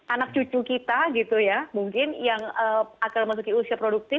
anak cucu kita gitu ya mungkin yang akan memasuki usia produktif